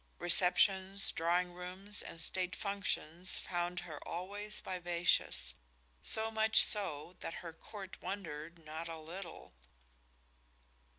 Receptions, drawing rooms and state functions found her always vivacious, so much so that her Court wondered not a little.